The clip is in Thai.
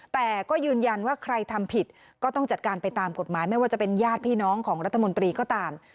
แต่ก็ยืนยันว่าใครทำผิดก็ต้องจัดการไปตามกฎหมายไม่ว่าจะเป็นญาติพี่น้องของรัฐมนตรีก็ตาม